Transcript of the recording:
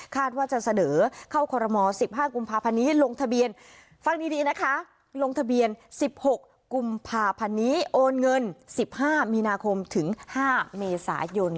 คาดว่าจะเสดอเข้าควรม๑๕กุมภาพันธ์นี้ลงทะเบียน๑๖กุมภาพันธ์นี้โอนเงิน๑๕มีนาคมถึง๕เมษายน